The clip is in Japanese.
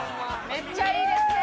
めっちゃいいですね。